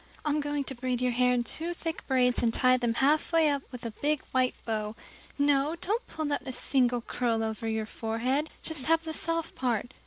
I'm going to braid your hair in two thick braids, and tie them halfway up with big white bows no, don't pull out a single curl over your forehead just have the soft part.